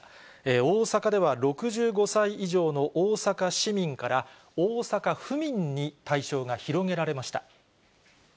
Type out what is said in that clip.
大阪では６５歳以上の大阪市民から、大阪府民に対象が広げられました。